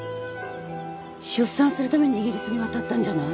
出産するためにイギリスに渡ったんじゃない！？